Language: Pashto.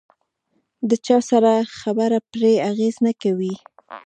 د چا خبره پرې اغېز نه کوي.